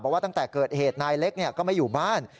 ว่าตั้งแต่เกิดเหตุนายเล็กก็ไม่อยู่บ้าน